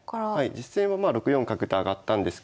実戦は６四角と上がったんですけど。